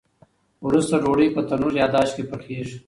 وروسته ډوډۍ په تنور یا داش کې پخیږي.